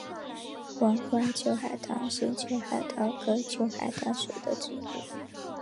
黄花秋海棠是秋海棠科秋海棠属的植物。